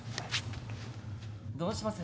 どうします？